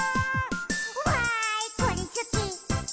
「わーいこれすき！